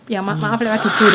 yang maaf lewat hibur